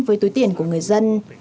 với túi tiền của người dân